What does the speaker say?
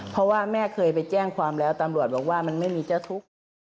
เพราะว่าแม่เคยไปแจ้งความแล้วตำรวจบอกว่ามันไม่มีเจ้าทุกข์